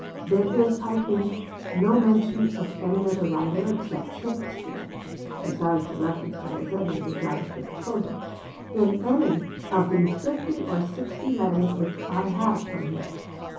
There is, I think, no mention of any other writer except Shakespeare (besides the reference to Rossetti which I have just quoted) in any of the fifty or sixty letters which I have from him.